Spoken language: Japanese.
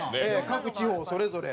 各地方それぞれ。